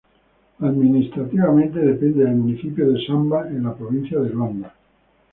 Administrativamente depende del Municipio de Samba, en la provincia de Luanda.